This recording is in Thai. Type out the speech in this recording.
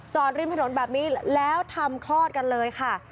ริมถนนแบบนี้แล้วทำคลอดกันเลยค่ะ